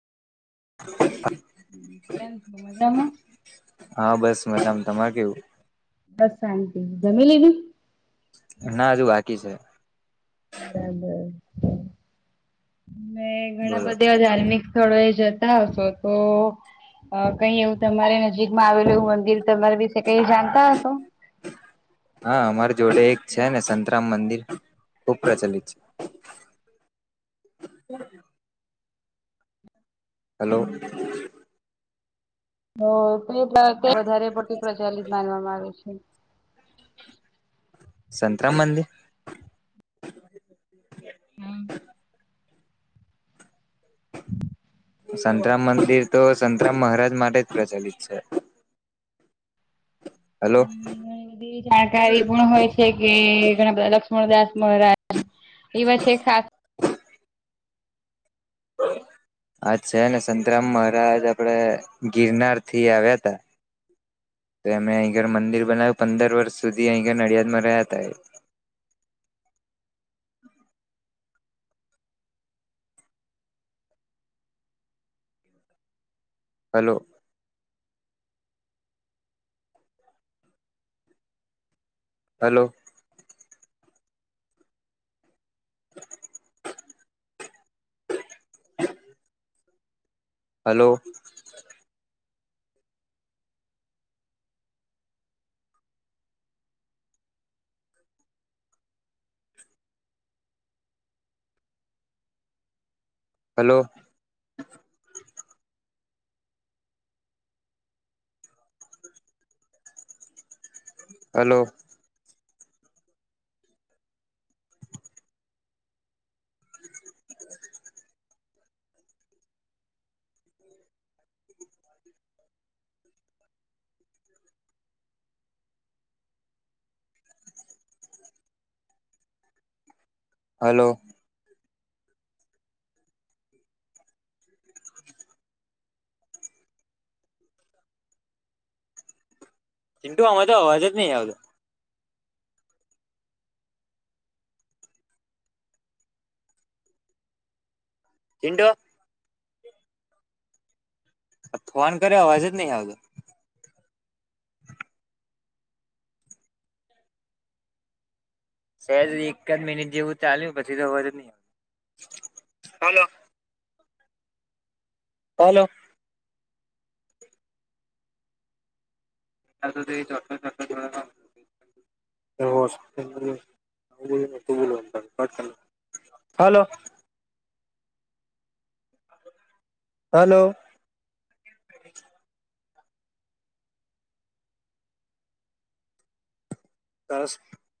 હ [unintelligible] કેમ છો મજામાં. હા બસ મજામ તમારે કેવું, બસ શાતી જમી લીધુ. ના હજુ બાકી છે. બરાબર મે ઘણા બોલો બધા ધાર્મિક. થડો એ જતા હશો તો અ કઈ એવું તમારે નજીકમાં આવેલું એવું મંદિર તમારી વિશે કઈ જાણતા હતો. હા અમારી જોડે એક છે ને સંતરામ મંદિર ખુબ પ્રચલિત છે. હમ. હલો! હ તો વધારે પતી પ્રચલિત માનવામાં આવે છે. સંતરામ મંદિર. હમ. [inaudible] સંતરામ મંદિર તો સંતરામ મહારાજ માટે જ પ્રચલિત છે. હ હલો ઘણી બધી જાણકારી પણ હોય છે. કે ગણાધ લક્ષ્મણ દાસ મહારાજ એવા છે. ખાસ હ અચ્છાને સંતરામ મહારાજ આપડે ગિરનાર થી આવ્યા હતા. તો એમે અહીં ઘર મંદિર બનાવ્યું પંદર વર્ષ સુધી અહીં ઘર નડિયાદમાં રહ્યા હતા. Hello! Hello! [unintelligible] [inaudible] Hello! Hello! Hello! [inaudible] Hello! ચિટુ આરો તો અવાજ જ ન આવદો. હંડો. ફોન કર્યો અવાજ જ નહી આવતો. સેજ એક જ મિનિટ જેવું ચાલ્યું પછી તો હો નહી. હલો. ત તો છોટો છોટો દ એ. હલો. હલો. સરસ.